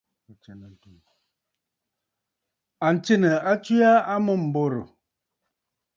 Ǹtsena tswe aa amûm m̀borǝ̀.